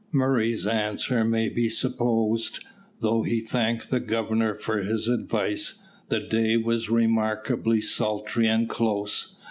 Murray's answer may be supposed, though he thanked the Governor for his advice. The day was remarkably sultry and close.